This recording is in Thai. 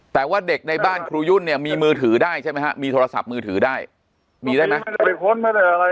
แต่ว่าเด็กในบ้านครูยุ่นเนี่ยมีมือถือได้ใช่ไหมฮะมีทราบมือถือได้มีได้ไหม